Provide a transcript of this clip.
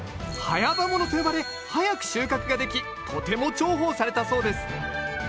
「早場もの」と呼ばれ早く収穫ができとても重宝されたそうです。